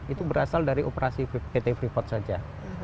itu berasal dari operasi pt freeport saja